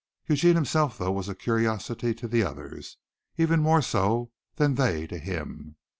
Eugene himself, though, was a curiosity to the others, even more so than they to him.